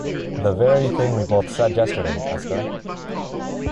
The very thing we both said yesterday, Esther!